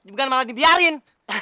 bukan malah dibiarin